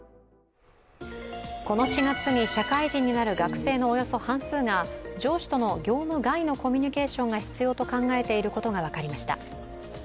この４月に社会人になる学生のおよそ半数が上司との業務外のコミュニケーションが必要と考えていることが分かりました。